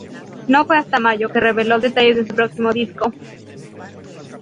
No fue hasta mayo que reveló detalles de su próximo disco.